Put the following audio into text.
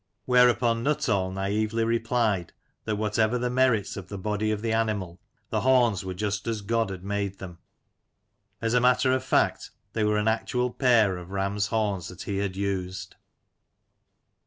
Whereupon Nuttall naively replied, that whatever the merits of the body of the animal, the horns were just as God had made them. As a matter of fact they were an actual pair of ram's horns that he had used.